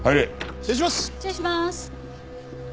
失礼します。